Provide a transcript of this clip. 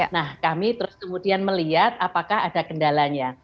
nah kami terus kemudian melihat apakah ada kendalanya